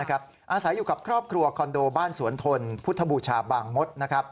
อาศัยอยู่กับครอบครัวคอนโดบ้านสวนทนพุทธบูชาบางมด